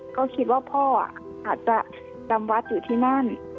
ก็คิดว่าพ่ออาจจะจำวัดอยู่ที่นั่น